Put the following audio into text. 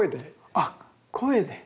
あっ声で。